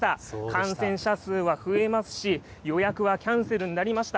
感染者数は増えますし、予約はキャンセルになりました。